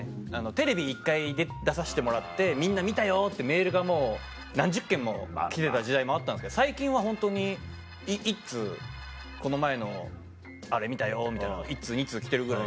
テレビ１回出させてもらってみんな「見たよ」ってメールがもう何十件も来てた時代もあったんですけど最近はホントに１通「この前のあれ見たよ」みたいなの１通２通来てるぐらい。